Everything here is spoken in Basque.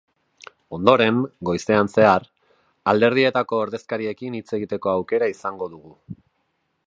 Ondoren, goizean zehar, alderdietako ordezkariekin hitz egiteko aukera izango dugu.